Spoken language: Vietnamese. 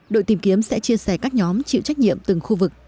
đội tìm kiếm sẽ chia sẻ các nhóm chịu trách nhiệm từng khu vực